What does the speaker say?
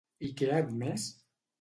I què ha admès?